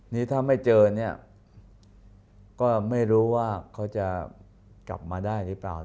นี่ถ้าไม่เจอเนี่ยก็ไม่รู้ว่าเขาจะกลับมาได้หรือเปล่า